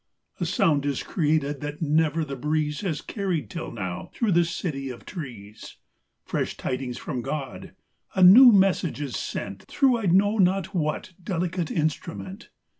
A sound is created that never the breeze Has carried till now through the city of trees : Fresh tidings from God ; a new message is sent Through I know not what delicate instru ment.